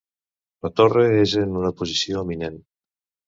La torre és en una posició eminent.